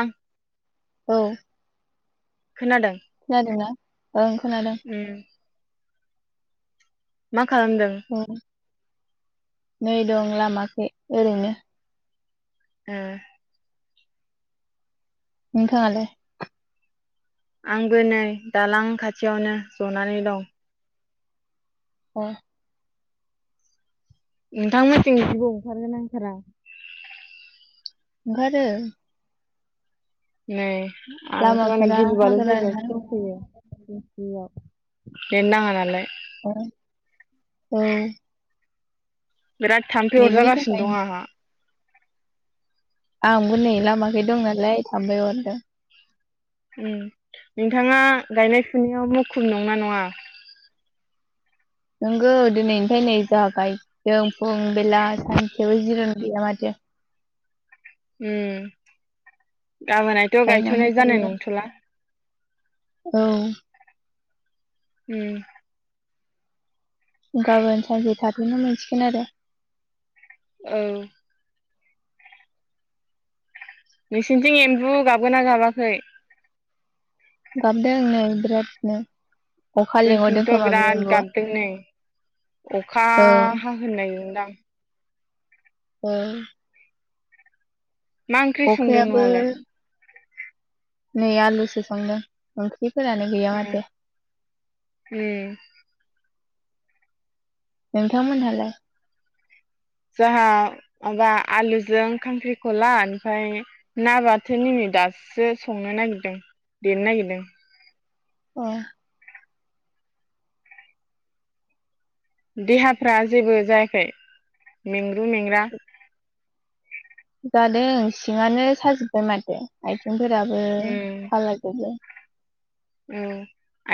आं औ। खोनादों जादोंना ओ खोनादों। उम मा खालामदों ओं, नै दं लामाखै ओरैनो। उम। नोंथां आंलाय आंबो नै दालां खाथियावनो जनानै दं। अ। नोंथांमोनथिं जिबो ओंखारगोन आंखारा ओंखारो। नै आथ नै लामाफोरा गिर बार जयगायाव हाग्राना सो दंफैयो। [unintelligible] नेट नाङा नालाय हो औ। बिराद थाम्फै नेटनि अरजागासिनो थाखाय दं आंहा। आंबो नै लामाखै दं नालाय थामबाय हरदों। उम नोंथाङा गायनाय फुनायाव मुखुब नंना नङा नंगौ दिनैनिफ्राय नै जाबाय जों फुं बेला सानसेयावबो जिरन गैया माथो। उम गाबोनथ' गायनांबाय गायथ'नाय जानाय थायो नंथ'ला। औ। उम। गाबोन सानसे थारैनो मोनसिगोन आरो। औ। नोंसिनिथिं एम्बु गाबगोना गाबाखै गाबदों नै बिरादनो अखा लिंहरदों जोंथिंथ' खोमाब बिराद आमबु। गाबदों नै अखा ह होननायदां। औ। मा ओंख्रि संदों अखायाबो न'आवलाय। नै आलसो सोंदों ओंख्र फोरानो गैया माथे। उम उम नोंथांमोनहालाय जोंहा माबा आलुजों खांख्रिखला ओमफ्राय ना बाथो निमिट दासो संनो नागिरदों देरनो नागिरदों। अ देहाफ्रा जेबो जायाखै मेंग्रु मेंग्रा जादों सिङानो साजोब्बाय माथो आथिंफोराबो उम साजाजोबो। औ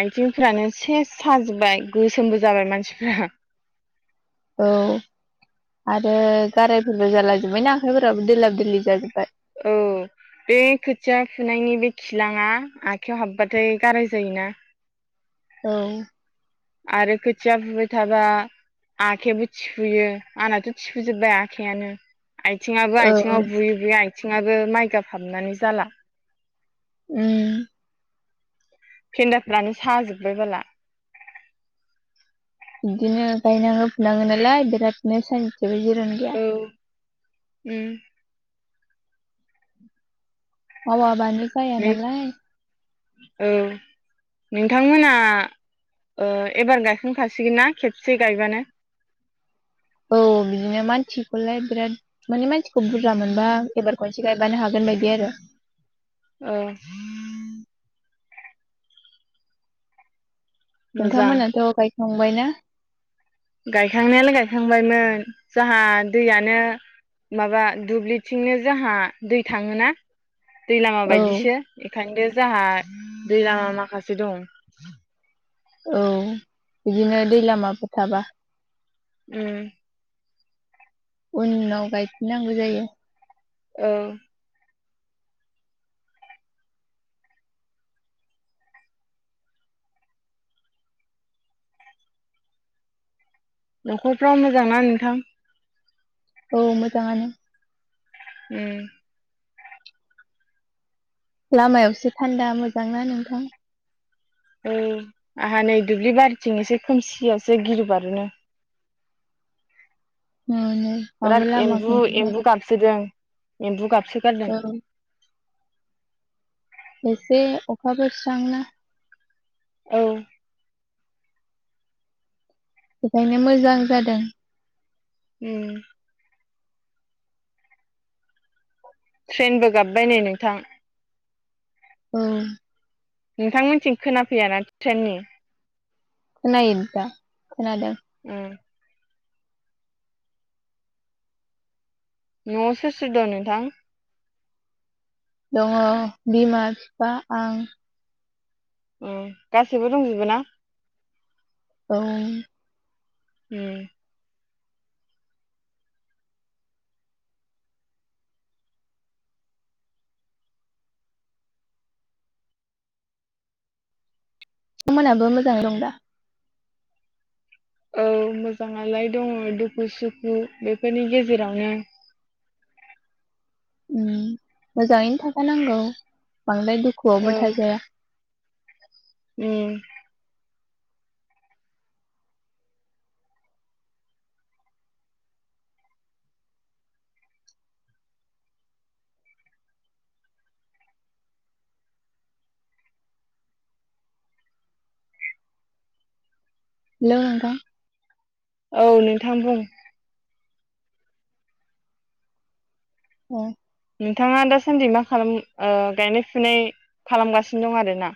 आथिंफ्रानो से साजोबबाय गोसोमबो जाबाय मानसिफ्रा। [unintelligible] औ आरो गारायफोरबो जालाजोब्बायना आखाइफोराबो दोलाब दोलि जाजोब्बाय औ बे खोथिया फुनायनि बे खिलाङा आखायाव हाबबाथाय गाराय जायोना [inaudible] औ आरो खोथिया फुबाय थाबा आखाइयाबो थिफुयो आंनाथ' थिफुजोबबाय आखाइयानो आथिङाबो औ आथिङाव बुयै बुयै आथिङाबो माइगाब हाफनानै जाला उम फिन्दाफ्रानो साजोब्बाय बाला बिदिनो गायनाङो फुनाङो नालाय बिरादनो जिरन गैया औ उम मावाबानो जायानालाय औ नोंथांमोना ओ एबार गायखांखासिगोनना खेबसे गायबानो औ बिदिनो मानसिखौलाय बिराद माने मानसिखौ बुरजा मोनबा एबार खनसे गायबानो हागोन बायदि आरो ओ मोजां नोंथांमोनाथ' गायखांबायना गायखांनायालाय गायखांबायमोन जाहा दैयानो माबा दुब्लिथिंनो जोंहा दै थाङोना दै लामा औ बायदिसो बेखायनो जोंहा दै लामा माखासे दं औ बिदिनो दै लामाफोर थाबा उम उनाव गायफिननांगौ जायो औ न'खरफ्रा मोजां ना नोंथां औ मोजाङानो उम लामायावसो थान्दा मोजां ना नोंथां औ आंहा नै दुब्लि बारिथिं एसे खोमसियावसो गिरु बारुनो न'नो माबो बिराद एम्बु लामाखौनोबा एम्बु गाबसोदों एम्बु गाबसो गारदों औ एसे अखाफोरस्रांंना औ बेखायनो मोजां जादों उम ट्रेनबो गाबबाय नै नोंथां औ नोंथांमोनथिं खोनाफैया ना ट्रेननि खोनायो नोंथां खोनादों उम न'आव सोर सोर दं नोंथां दङ बिमा बिफा आं। उम गासैबो दंजोबो ना? औ उम नोथांमोनहाबो मोजाङै दं दा? औ मोजाङालाय दङ दुखु सुखु बेफोरनि गेजेरावनो। उम मोजाङैनो थाखानांगौ बांद्राय औ दुखुआवबो थाजाया उम हेलौ नोंथां औ नोंथां बुं औ नोंथाङा दासान्दि मा खालाम ओ गायनाय फुनाय खालामगासिनो दं आरोना?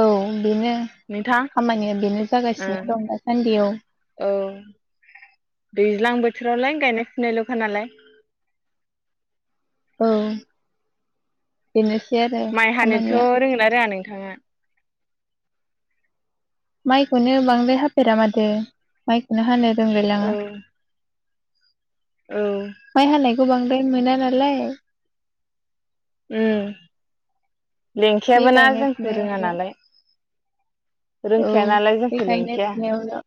औ बेनो नोंथां खामानिया बेनो ओ जागासिनो दं दासान्दियाव औ दैज्लां बोथोरावलाय गायनाय फुनायलखा नालाय [unintelligible] औ बेनोस माइ हानोथ रोंला रोङा नोंथाङा? माइखौनो बांद्राय हाफेरा माथो माइखौनो हानो औ रोंगलायलाङा औ गोबांद्राय मोना नालाय उम। बे औलेंखायाबो ना गायनाय जोंफोर रोङा फुनायावल' नालाय औ रोंखाया नालाय बे जोंखौ गायनाय लिंखया फुनायावल'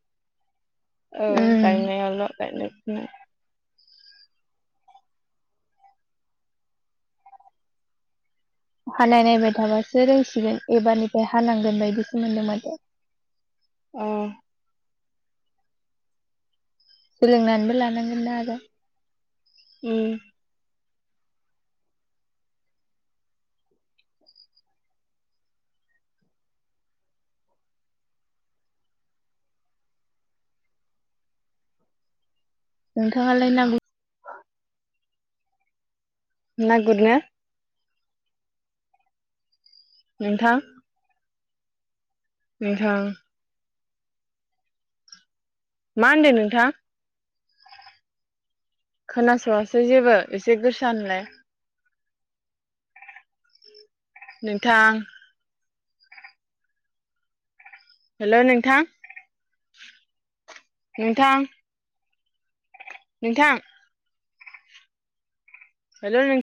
औ उम गायनायाल' गायनाय फुनाय हानाय नायबाय थाबासो रोंसिगोन एबारनिफ्राय हानांगोन बायदिसो मोन्दों माथो अ सोलोंनानैबो लानांगोन दा आरो उम नोंथाङालाय ना गु ना गुरनो नोंथां नोंथां मा होनदों नोंथां? खोनासवासै जेबो एसे गोस नलाय। नोंथां हेलौ नोंथां नोंथां नोंथां हेलौ नों